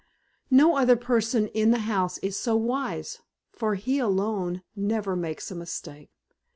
No other person in the house is so wise, for he alone never makes a mistake.